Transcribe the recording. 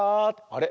あれ？